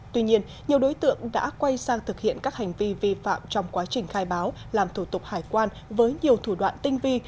tuy nhiên nhiều đối tượng đã quay sang thực hiện các hành vi vi phạm trong quá trình khai báo làm thủ tục hải quan với nhiều thủ đoạn tinh vi